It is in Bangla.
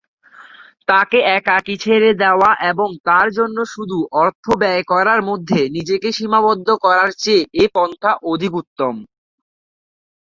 তাকে একাকী ছেড়ে দেওয়া এবং তার জন্য শুধু অর্থ ব্যয় করার মধ্যে নিজেকে সীমাবদ্ধ করার চেয়ে এ পন্থা অধিক উত্তম।